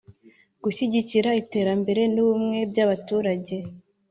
Gushyigikira iterambere n’ ubumwe by’ abaturage